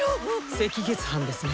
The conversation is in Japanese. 赤月飯ですね。